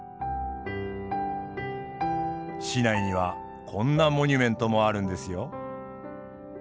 市内にはこんなモニュメントもあるんですよ。